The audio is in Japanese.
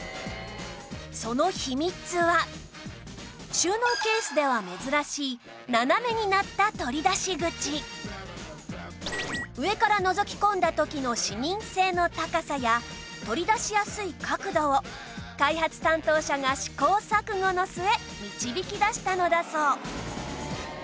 その秘密は収納ケースでは珍しい上からのぞき込んだ時の視認性の高さや取り出しやすい角度を開発担当者が試行錯誤の末導き出したのだそう